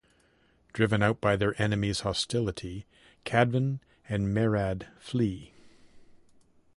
Driven out by their enemy's hostility, Cadvan and Maerad flee.